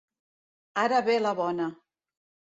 Ara ve la bona.